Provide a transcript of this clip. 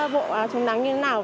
vụ áo chống nắng như thế nào